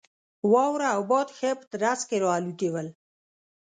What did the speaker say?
واوره او باد ښه په درز کې را الوتي ول.